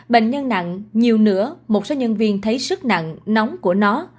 bệnh nhân nặng nhiều nữa một số nhân viên thấy sức nặng nóng của nó